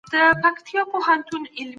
د باران اوبه په کوڅو کې روانې وې.